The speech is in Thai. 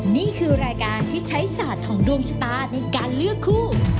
นี่คือรายการที่ใช้ศาสตร์ของดวงชะตาในการเลือกคู่